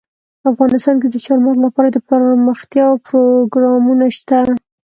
افغانستان کې د چار مغز لپاره دپرمختیا پروګرامونه شته.